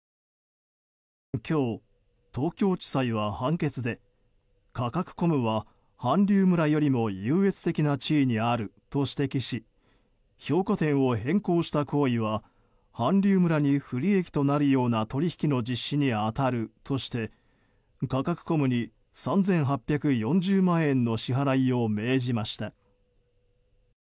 今日、東京地裁は判決でカカクコムは韓流村よりも優越的な地位にあると指摘し評価点を変更した行為は韓流村に不利益となるような取引の実施に当たるとしてカカクコムに３８４０万円の支払いを命じました。